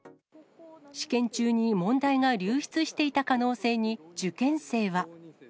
試験中に問題が流出していた可能性に、受験生は。